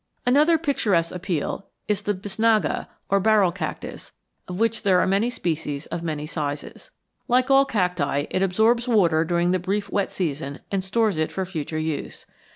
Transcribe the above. Another of picturesque appeal is the bisnaga or barrel cactus, of which there are many species of many sizes. Like all cacti, it absorbs water during the brief wet season and stores it for future use.